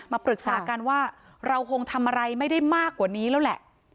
ปรึกษากันว่าเราคงทำอะไรไม่ได้มากกว่านี้แล้วแหละ